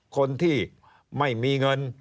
คนที่ไม่มีเงิน